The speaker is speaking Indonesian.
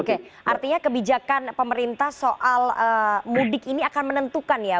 oke artinya kebijakan pemerintah soal mudik ini akan menentukan ya